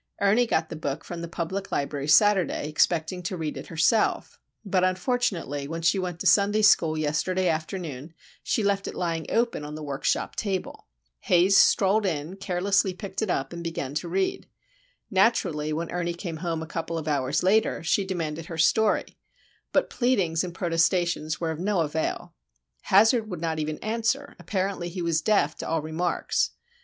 Ernie got the book from the public library Saturday, expecting to read it herself; but, unfortunately, when she went to Sunday school yesterday afternoon, she left it lying open on the workshop table. Haze strolled in, carelessly picked it up, and began to read. Naturally, when Ernie came home a couple of hours later, she demanded her story,—but pleadings and protestations were of no avail. Hazard would not even answer,—apparently he was deaf to all remarks.